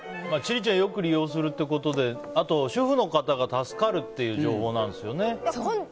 千里ちゃんよく利用するということであと、主婦の方が助かるっていう情報なんですよね。